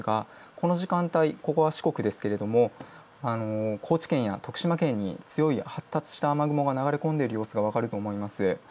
この時間帯、ここが四国ですが、高知県や徳島県に強い発達した雨雲が流れ込んでいる様子が分かると思います。